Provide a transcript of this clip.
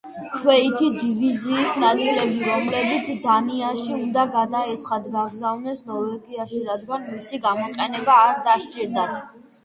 ქვეითი დივიზიის ნაწილები, რომლებიც დანიაში უნდა გადაესხათ, გაგზავნეს ნორვეგიაში, რადგან მისი გამოყენება არ დასჭირდათ.